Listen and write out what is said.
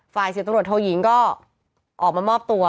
สิบตำรวจโทยิงก็ออกมามอบตัว